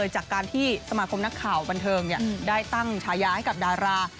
จากการที่สมาคมนักข่าวบันเทิงได้ตั้งฉายาให้กับดารา